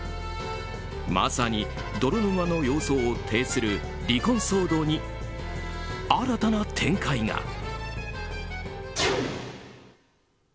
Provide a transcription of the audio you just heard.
まさに泥沼の様相を呈する離婚騒動に新たな展開が。